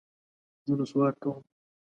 زه نسوار کوم.